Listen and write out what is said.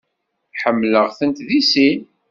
Ḥemmleɣ-tent deg sin.